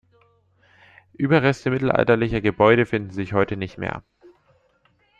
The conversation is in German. Überreste mittelalterlicher Gebäude finden sich heute nicht mehr.